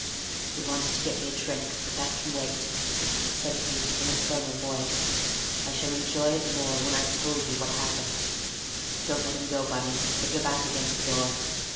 "He wants to get me a drink, but that can wait," said he, in firmer voice; "I shall enjoy it the more when I've told you what happened. Don't let him go, Bunny; put your back against the door.